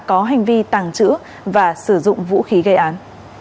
có hành vi tàng trữ và sử dụng vũ khí gây án